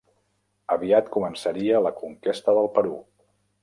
Aviat començaria la conquesta del Perú.